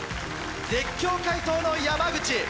絶叫解答の山口。